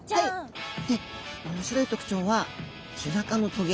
面白い特徴は背中のトゲ